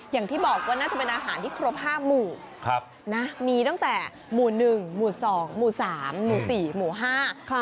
อย่างที่บอกว่าน่าจะเป็นอาหารที่ครบห้าหมู่ครับนะมีตั้งแต่หมู่หนึ่งหมู่สองหมู่สามหมู่สี่หมู่ห้าค่ะ